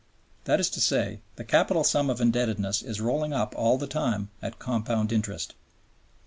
That is to say, the capital sum of indebtedness is rolling up all the time at compound interest.